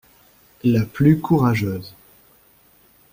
La plus courageuse.